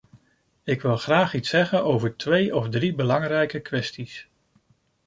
Ik wil graag iets zeggen over twee of drie belangrijke kwesties.